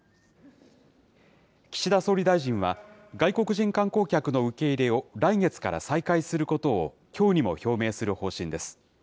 岸田総理大臣は、外国人観光客の受け入れを来月から再開することをきょうにも表明する方針です。